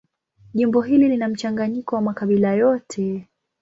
Jimbo hili lina mchanganyiko wa makabila yote.